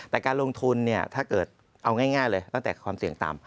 แต่การลงทุนเนี่ยถ้าเกิดเอาง่ายเลยตั้งแต่ความเสี่ยงต่ำ